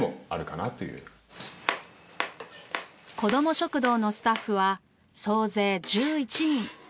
こども食堂のスタッフは総勢１１人。